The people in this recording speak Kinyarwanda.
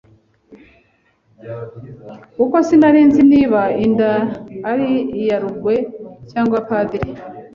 kuko sinari nzi niba inda ari iya Rugwe cyangwa Padiri!